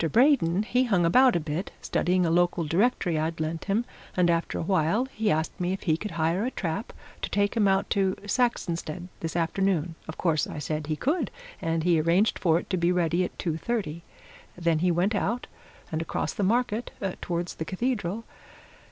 Braden, he hung about a bit, studying a local directory I'd lent him, and after a while he asked me if he could hire a trap to take him out to Saxonsteade this afternoon. Of course, I said he could, and he arranged for it to be ready at two thirty. Then he went out, and across the market towards the Cathedral.